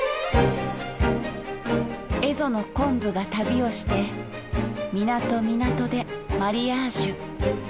蝦夷の昆布が旅をして港港でマリアージュ。